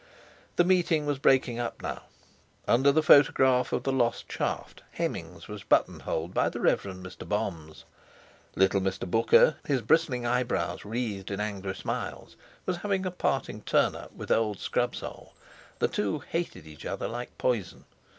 The meeting was breaking up now. Underneath the photograph of the lost shaft Hemmings was buttonholed by the Rev. Mr. Boms. Little Mr. Booker, his bristling eyebrows wreathed in angry smiles, was having a parting turn up with old Scrubsole. The two hated each other like poison.